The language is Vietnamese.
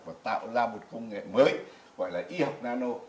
và tạo ra một công nghệ mới gọi là y học nano